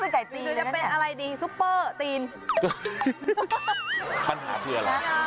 เตีนสุปเปอร์